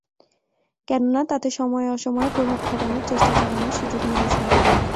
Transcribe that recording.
কেননা, তাতে সময়ে অসময়ে প্রভাব খাটানোর চেষ্টা চালানোর সুযোগ মিলেছে।